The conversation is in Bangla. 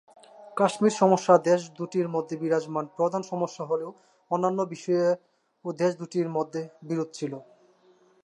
কাশ্মীর সমস্যা দেশ দু'টির মধ্যে বিরাজমান প্রধান সমস্যা হলেও অন্যান্য বিষয়েও দেশ দু'টির মধ্যে বিরোধ ছিল।